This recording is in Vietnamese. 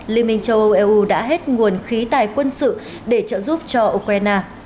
liên minh châu âu eu đã hết nguồn khí tài quân sự để trợ giúp cho ukraine